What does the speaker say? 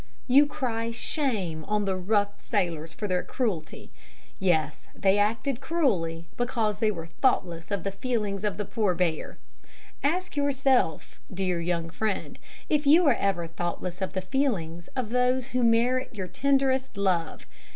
You cry "Shame" on the rough sailors for their cruelty. Yes, they acted cruelly, because they were thoughtless of the feelings of the poor bear. Ask yourself, dear young friend, if you are ever thoughtless of the feelings of those who merit your tenderest love.